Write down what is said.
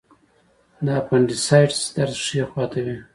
د اپنډیسایټس درد ښي خوا ته وي.